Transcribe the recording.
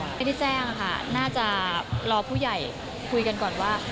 ไม่ได้แจ้งค่ะน่าจะรอผู้ใหญ่คุยกันก่อนว่า